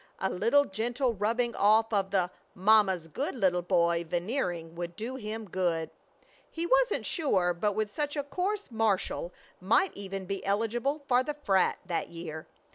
A little gentle rubbing off of the "mamma's good little boy" veneering would do him good. He wasn't sure but with such a course Marshall might even be eligible for the frat. that year.